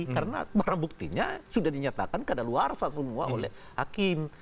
karena barang buktinya sudah dinyatakan keadaan luarsa semua oleh hakim